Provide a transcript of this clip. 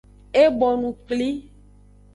E bonu kpli.